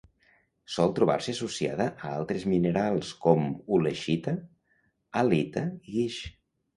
Sol trobar-se associada a altres minerals, com: ulexita, halita i guix.